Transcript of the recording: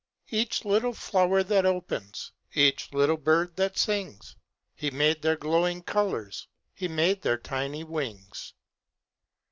Each little flower that opens, Each little bird that sings, He made their glowing colours, He made their tiny wings.